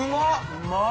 うまい。